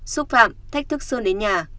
xúc phạm thách thức sơn đến nhà